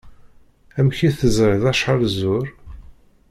Amek i teẓriḍ acḥal zur?